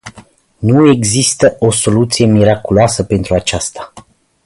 Nu există o soluție miraculoasă pentru aceasta.